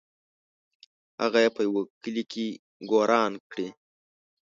هغه یې په یوه کلي کې ګوروان کړی.